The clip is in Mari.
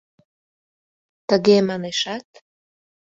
Тыге манешат.